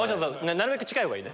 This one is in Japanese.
なるべく近い方がいい。